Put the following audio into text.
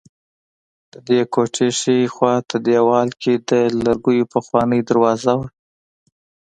ددې کوټې ښي خوا ته دېوال کې د لرګیو پخوانۍ دروازه وه.